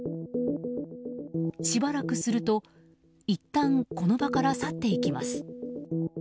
しばらくすると、いったんこの場から去っていきます。